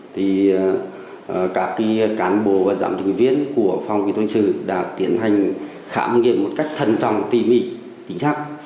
thì các cán bộ và giám trình viên của phòng kỳ tôn sử đã tiến hành khám nghiệm một cách thần trọng tỉ mỉ chính xác